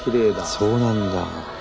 そうなんだ。